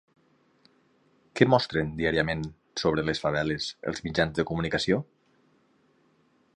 Què mostren diàriament sobre les faveles els mitjans de comunicació?